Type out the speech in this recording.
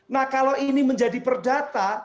nah kalau ini menjadi perdata